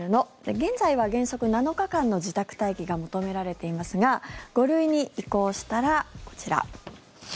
現在は原則７日間の自宅待機が求められていますが５類に移行したら、こちら。